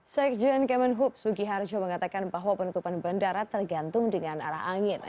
sekjen kemenhub sugiharjo mengatakan bahwa penutupan bandara tergantung dengan arah angin